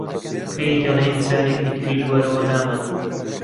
پێی دەڵێن جارێکی تریش وەرەوە لامان